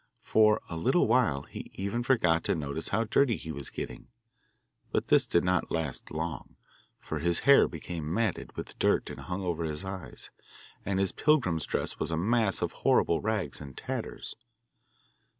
For a little while he even forgot to notice how dirty he was getting, but this did not last long, for his hair became matted with dirt and hung over his eyes, and his pilgrim's dress was a mass of horrible rags and tatters.